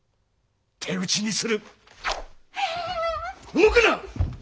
動くな！